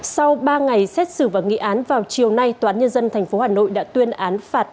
sau ba ngày xét xử và nghị án vào chiều nay toán nhân dân tp hà nội đã tuyên án phạt